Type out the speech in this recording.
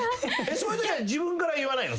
そういうときは自分から言わないの？